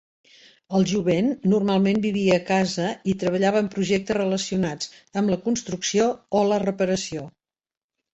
El jovent normalment vivia a casa i treballava en projectes relacionats amb la construcció o la reparació.